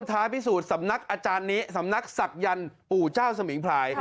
ท้ายพิสูจน์สำนักอาจารย์นี้สำนักศักยันต์ปู่เจ้าสมิงพลาย